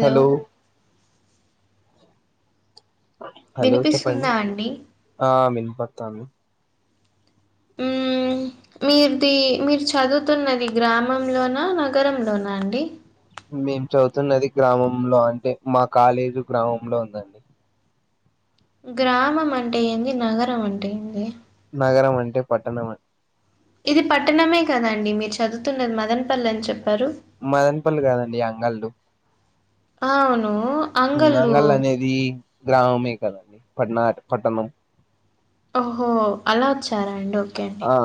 Hello [unintelligible] hello చెప్పండి వినిపిస్తుందా అండి ఆ మ పడతాంది. ఉ మీది మీరు చదువుతున్నది గ్రామంలోనా, నగరంలోనా అండి, మేము చదువుతున్నది గ్రామంలో అంటే మా కాలేజీ గ్రామంలో ఉందండి, గ్రామం అంటే ఏంది, నగరం అంటే ఏంది నగరం అంటే పట్టణం ఇది పట్టణమే కదండి మీరు చదువుతున్నది, మదన్పల్లి అని చెప్ మదన్పల్లి కాదండి, అంగళ్లు ఆ అవునా అంగళ్లు అనేది గ్రామమే కదండి పట్నా పట్టణం ఓహో అలా చెప్పారా అండీ అయితే ఆ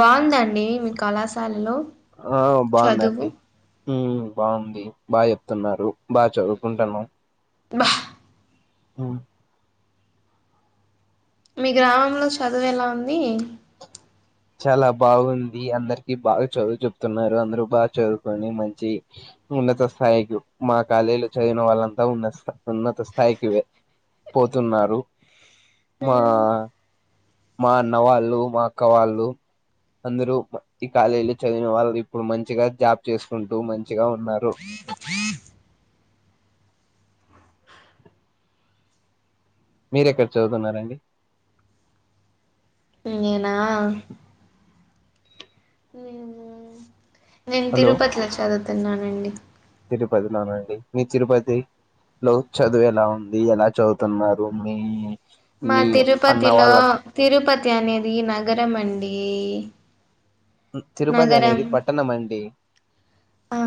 బాగుందా అండీ మీ కళాశాలలో ఆ చదువు బాగుందండి, హు బాగుంది బాగా చెప్తున్నారు. బాగా చదువుకుంటున్నాం, వా ఉ మీ గ్రామంలో చదువు ఎలా ఉంది. చాలా బాగుంది అందరికి బాగా చదువు చెప్తున్నారు అందరు బాగా చదువుకొని మంచి ఉన్నత స్థాయికి మా కాలేజీ లో చదివిన వాళ్ళంతా ఉన్నత ఉన్నత స్థాయికి పోతున్నారు. మా మ్మ్. మా అన్న వాళ్ళు మా అక్క వాళ్ళు అందరూ ఈ కాలేజీలో చదివిన వాళ్ళు ఇప్పుడు మంచిగా జాబ్ చేసుకుంటూ మంచి, మంచిగా ఉన్నారు. మీర ఎక్కడ చదువుతున్నరండి, నేన నేను నేను హలో తిరుపతి లో చదువు తున్నానండి తిరుపతిలోనండీ మీ తిరుపతి లో చదువు ఎలా ఉంది ఎలా చదువుతున్నారు, మీ మా మీ అన్న తిరుపతిలో వాళ్ళ తిరుపతి అనేది నగరం అండి తిరుపతి నగరం అనేది పట్టణం అండి ఆ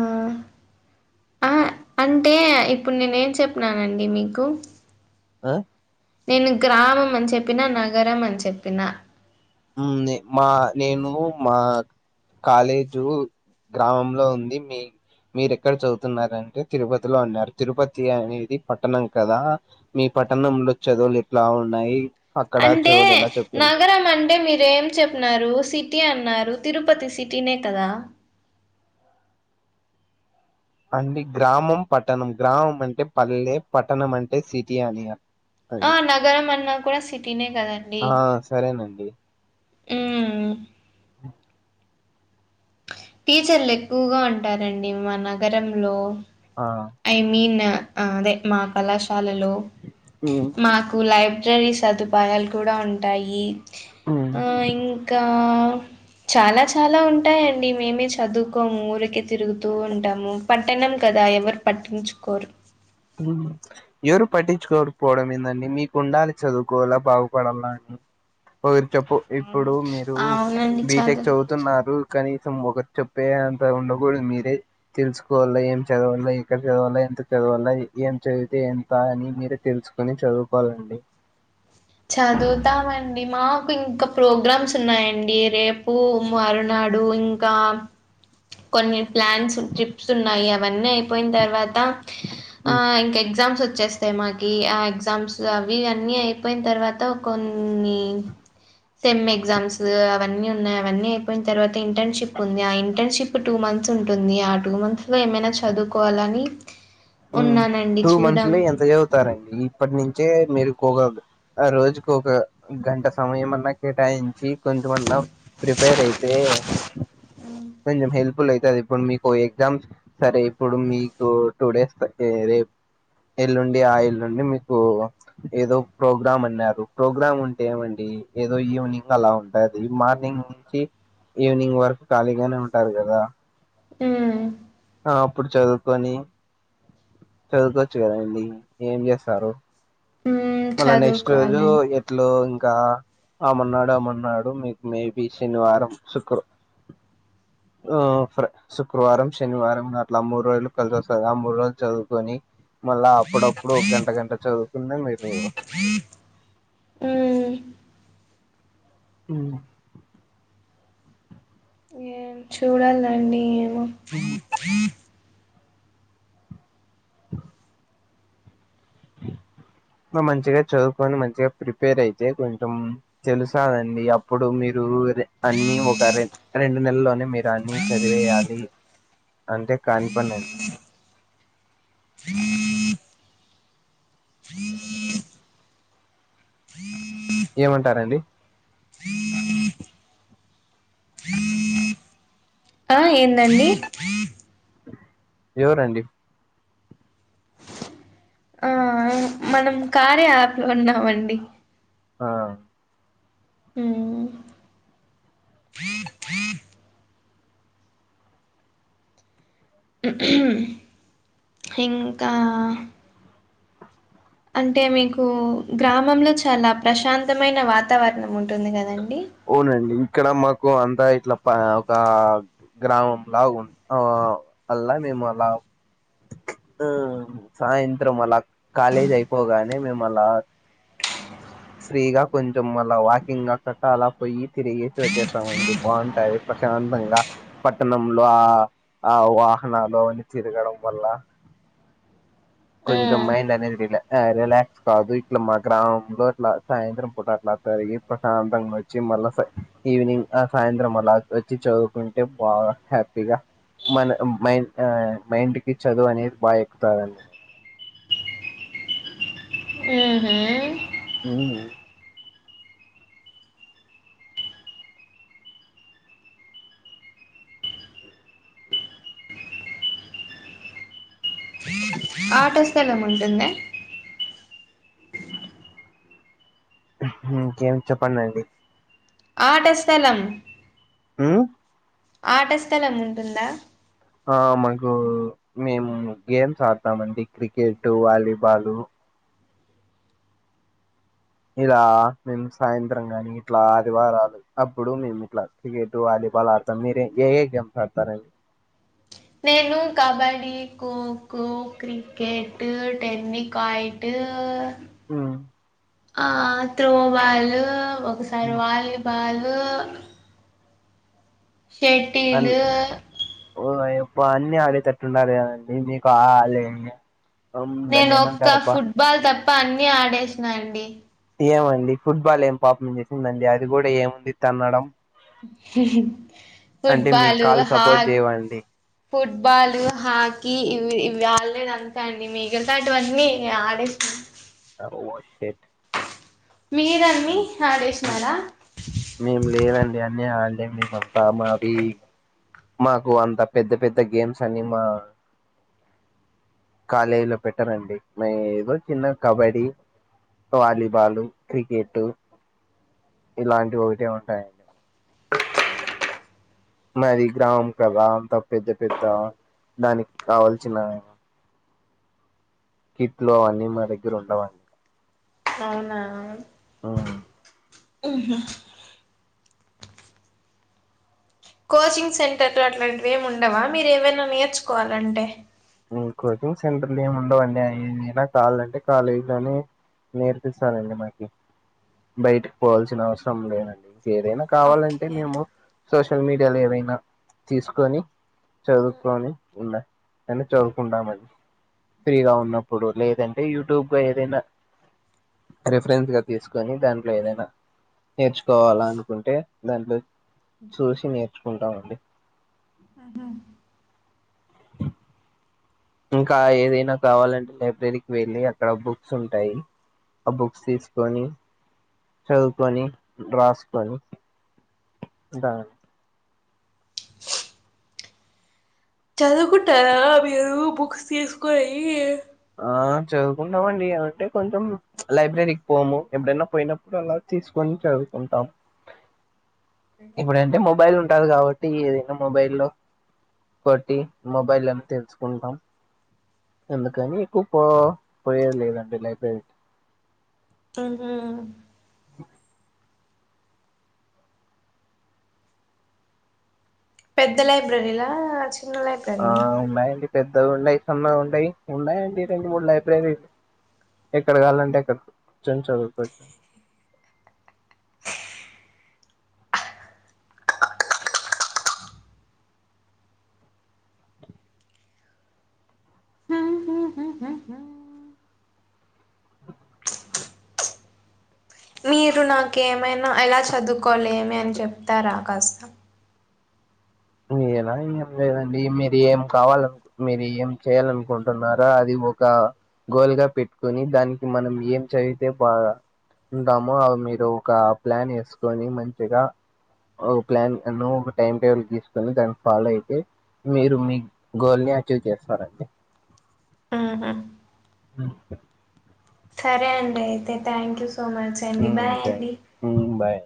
ఆ అంటే ఇప్పుడు నేన్ ఏం చెప్పినానండి మీకు ఆ నేన్ గ్రామం అని చెప్పినా, నగరం అని చెప్పినా. హ్మ్ మా నేను మా కాలేజు గ్రామంలో ఉంది, మీ మీరు ఎక్కడ చదువుతున్నారంటే తిరుపతిలో అన్నారు. తిరుపతి అనేది పట్టణం కదా, మీ పట్టణంలో చదువులు ఎట్లా ఉన్నాయి. అక్కడ అంటే చదువులు ఎలా చెప్తున్నా నగరం అంటే మీర్ రు ఏం చెప్ నారు సిటీ అన్నారు తిరుపతి సిటీనే కదా. అండి గ్రామం, పట్టణం గ్రామం అంటే పల్లె పట్టణం అంటే సిటీ అని ఆ అది నగరం అన్నా కూడా సిటీనే కదండి. ఆ సరేనండి మ్మ్ టీచర్లు ఎక్కువగా ఉంటారండి మా నగరంలో. ఆ ఐ మీన్ ఆ అదే మహ కళాశ్ శాలలో ఉమ్ మాకు లైబ్ బ్రరీ సదుపాయాలు కూడా ఉంటాయి ఉమ్ ఆ ఇంకా చాలా చాలా ఉంటాయండి. మేమే చదువుకోము ఊరికే తిరుగుతూ ఉంటాము, పట్టణం కదా ఎవర్. పట్టించుకోరు ఎవరు పట్టించుకోకపోవడం ఏందండి మీకు ఉండాలి, చదువుకోలా బాగుపడాల అని ఒకరి. చెప్పు ఇప్పుడు మీరు అవునండి బీటెక్ చదువు చదువుతున్నారు కానీ. తం ఒకర్ చెప్పే అంత ఉండ కూడదు మీరే తెలుసుకోవలో, ఏం చదవాలో, ఎక్కడ చదవాలో, ఎంత చదవాలోది. ఏం చదివితే ఎంత అని మీరు తెలుసుకుొని చదువుకోవాలండి. చదువుతామండి మాకు ఇంకా ప్రోగ్రామ్స్ ఉన్నాయండి. రేపు మరునాడు ఇంకా కొన్ని ప్లాన్స్, ట్రిప్స్ ఉన్నాయి, అవన్నీ అయిపోయిన తర్వాత్. తా ఆ ఇంక ఎక్సామ్ వ వచ్చేస్తాయి మాకి ఆ ఎగ్జామ్స్ అవి అన్నీ అయి అయిపోయిన తర్వాత కొన్ని సెమ్ ఎగ్జామ్స్ అవన్నీ ఉన్నాయి, అవన్నీ అయిపోయిన తర్వాత ఇంటర్న్షిప్ ఉంది, ఆ ఇంటర్న్షిప్ టూ మంత్స్ ఉంటుంది, ఆ టూ మంత్స్ లో ఏమైనా చదువుకోవాలని. హ్ ఉన్నానండి టూ మంత్స్ చూద్దాం. లో ఎంత చదువుతారండి ఇప్పటి నుంచే మీరు. కో గాగ్ ఆ రోజుకు ఒక గంట సమయం అన్నా, కేటాయించి కొంచమన్నా ప్రిపేర్ అయితే హ్మ్. కొంచెం హెల్ప్ఫుల్ అయితది, ఇప్పుడు మీకు ఎగ్జామ్స్ సరే ఇప్పుడు మీకు టూ డేస్. అంటే రేప్ ఎల్లుండి ఆ ఎల్లుండి మీకు ఏదో ప్రోగ్రామ్ అన్నారు, ప్రోగ్రామ్ ఉంటే ఏమండి ఏదో ఈవినింగ్ అలా ఉంటది, మార్నింగ్ నుంచి ఈవినింగ్ వరకు ఖాళీగానే ఉంటారు కదా. హూ మ్ ఆ అప్పుడు చదువుకొని, చదువుకోవచ్చు కదండి, ఏం చేస్తారు. హ్మ్. మళ్ళ నెక్స్ట్ రోజు చదువుకోవాలి. ఎట్లు ఇంకా అమ్మన్నాడు అమ్మన్నాడు మీకు మేబి శనివారం శుక్ర ఆ శుక్రవారం, శనివారం అట్లా మూడు రోజులు కలిసి వస్తది. ఆ మూడు రోజులు చదువుకొని, మళ్ళా అప్పుడప్పుడు ఒక గంట గంట చదువుకున్న మీరు. హ్మ్. హ్మ్ ఏం చూడాలండి మో అ న మంచిగా చదువుకొని, మంచిగా ప్రిపేర్ అయితే కొంచెం తెలుసాదండి, అప్పుడు మీరు అన్ని ఒక రె రెండు నెలల్లోనే మీరు అన్ని చదివేయాలి అంటే కానిపనండి. ఏమంటారండి ఆ ఏందండి ఎవరండీ ఆ! మనం కార్య యాప్ లో ఉన్నామండి ఆ హ్మ్. ఇంకా అంటే మీకు గ్రామంలో చాలా ప్రశాంతమైన వాతావరణం ఉంటుంది కదండి ఊ నండి ఇక్కడ మాకు అంతా ఇట్లా ఒక గ్రామంలా ఉ అలా మేము అలా సాయంత్రం అలా కాలేజ్ అయిపోగానే మేము అలా ఫ్రీగా కొంచెం మళ్ళ వాకింగ్ గా అాలా పోయి తిరిగేసి వచ్చేస్తామండి బాగుంటాది ప్రశాంతంగా పట్టణంలో ఆ ఆ వాహనాలు అన్న తిరగడం వల్ల కొంచం హ్మ్. మైండ్ అనేది రీలా ఆ రిలాక్స్ కాదు ఇట్లా మా గ్రామంలో ఇట్లా సాయంత్రం పూట అట్లా తరిగి ప్రశాంతంగా వచ్చి మళ్ళా ఈవినింగ్ ఆ సాయంత్రం అళ్లా వచ్చి చదువుకుంటే బాగా హ్యాపీగా మన మైండ్ మైండ్ కి చదువు అనేది బాగా ఎక్కుతాదండి ఆహా హ స ఆటో స్థలం ఉంటుంద ఇంకేం చెప్పండిండి ఆటస్థలం హమ్ ఆట స్థలం ఉంటుందా ఆ మాకు మేము గేమ్స్ ఆడతామండి క్రికెట్ వాలీబాలు ఇలా మేము సాయంత్రం కాని ఇట్లా ఆదివారాలు అప్పుడు మేము ఇట్లా క్రికెట్ వాలీబాల్ ఆడతాం మీరే ఏ ఏ గేమ్స్ ఆడతారండి నేను కబడీ ఖోఖో క్రికెట్ టెన్నికాయిట్ ఆ ఆ త్రో బాలు ఒకసారి వాలీబాల్ ద షెటిల్ ఇ అన్నిీ ఆడేటట్టు ఉండాలి కదండి మీకు ఆ లే నేను ఒక్క ఫుట్బాల్ తప్ప ఇప్ప అన్ని ఆడేసినండి ఏమండి ఫుట్బాల్ ఏం పాప చేసిందండి అది కూడా ఏముంది తనడం మీ ఫుట్బాాలు కాళ్ళు సపోర్ట్ హాక్ చేయవండి ఫుట్బాలు హాకీ ఇవి ఇవి ఆడలేదు అంతే అండి మిగిలితా అటువన్నీ ఆడేస్త శేట్ మీరన్నీ ఆడేసన్నారా మేము లేదండి అన్ని అడలెం మేం అంత మది మాకు అంత పెద్ద పెద్ద గేమ్స్ అన్ని మా కాలేజీలో పెట్టరాండ్డి ఏదో చిన్న కబడ్డీ వాలీబాలు క్రికెట్ ఇలాంటి ఒకటే ఉంటాయండి మది గ్రామం కదా అంత పెద్ద పెద్ద దానికి కావల్సిన కిట్లు అవన్నీ మా దగ్గర ఉండవాి అవునా అవును ఆ కోచింగ్ సెంటర్లు అట్లాంటివి ఏమి ఉండవా మీరు ఏవైనా నేర్చుకోవాలంటే కోచింగ్ సెంటర్లు ఏమి ఉండవుండి అదనా కాాలంటే కాలేజీ లోనే నేర్పిస్తానండి మాకి బయటకి పోవాల్సిన అవసరం లేదండి ఏదైనా కావాలంటే ఓకే మేము సోషల్ మీడియాలో ఏవైనా తీసుకొని చదుకోని ఉన్నా అని చదువుకుంటామండి ఫ్రీగా ఉన్నప్పుడు లేదంటే యూట్యూబ్గా ఏదైనా రిఫరెన్స్ గా తీసుకొని దాంట్లో ఏదైనా నేర్చుకోవాలా అనుకుంటే దాంట్లో చూసి నేర్చుకుంటామండి ఆహా ఇంకా ఏదైనా కావాలంటే లైబ్రరీకి వెళ్ళి అక్కడ బుక్స్ ఉంటాయి ఆ బుక్స్ తీసుకొని చదువుకొని రాసుకొని అదా చదువుకుంటారా మీరు బుక్స్ తీసుకొని ఆ చదువుకుంటామండి అంటే కొంచెం లైబ్రరీకి పోము ఎప్పుడైనా పోయినప్పుడు అలా తీసుకొని చదువుకుంటాము ఇప్పుడంటే మొబైల్ ఉంటాది కాబట్టి ఏదైనా మొబైల్లో కొట్టి మొబైలోనే తెలుసుకుంటాం అందుకని ఎక్కువ పో పోయేది లేదండి లైబ్రరీ కి ఆహుమ్ పెద్ద లైబ్రరీ లా చిన్న లైబ్రరీనా పెద్దగ ఉన్నాయి చిన్నగ ఉంటాయి ఉండయి అండి రెండు మూడు లైబ్రరీలు ఎక్కడ కావాలంటే ఎక్కడ కుర్చొని చదువుకుంట మీరు నాకేం మనా ఎలా చదువుకోవలేమే అని చెప్తారా కాస్త ఏల ఏం లేదండి మీరు ఏం కావాలనుకుంటున్నారో మీరు ఏం చేయ్యాలనుకుంటున్నారో అది ఒక గోల్ గా పెట్టుకొని దానికి మనం ఏం చదివితే బాగా ఉంటామో అవి మీరు ఒక ప్లాన్ వేసుకొని మంచిగా ఒక ప్లాన్ అను ఒక టైం టేబుల్ తీసుకు దానికి ఫాలో అయితే మీరు మీ గోల్ ని అచీవ్ చేస్తారండి ఆహుమ్ సరే అండి అయితే థ్యాంక్ యూ సో మచ్ అండి బాయ్ అండి థ్యాంక్ యూ బాయ్